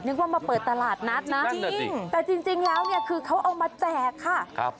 นึกว่ามาเปิดตลาดนัดนะจริงแต่จริงแล้วเนี่ยคือเขาเอามาแจกค่ะครับ